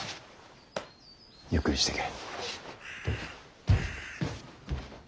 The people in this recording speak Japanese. ゆっくりしてけ。